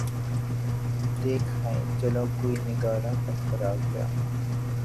دیکھ آئیں چلو کوئے نگاراں کا خرابہ